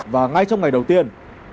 và ngay trong ngày đầu tiên